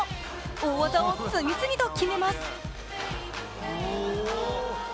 大技を次々と決めます。